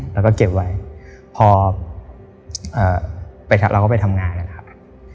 แล้วก็เก็บไว้พอเราก็ไปทำงานนะครับ